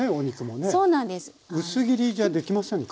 薄切りじゃできませんか？